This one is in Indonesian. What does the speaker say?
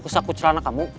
ke saku celana